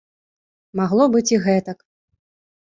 Магло быць і гэтак.